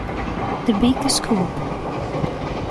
The Big Scoop